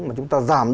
mà chúng ta giảm